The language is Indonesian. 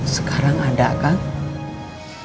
sekarang ada kang